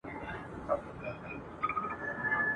بس یا مو سېل یا مو توپان ولیدی !.